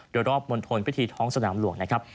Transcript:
โดยรอบมณฑลพิธีท้องสนามหลวงนะครับ